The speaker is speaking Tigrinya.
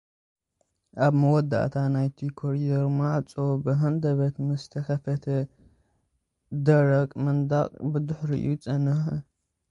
ኣብ መወዳእታ ናይቲ ኮሮድዮ ማዕጾ ብሃንደበት ምስ ተኸፍተ ደረቕ መንደቕ ብድሕሪኡ ጸኒሑ።